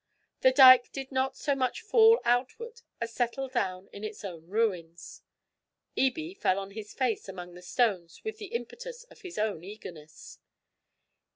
The dyke did not so much fall outward as settle down on its own ruins. Ebie fell on his face among the stones with the impetus of his own eagerness.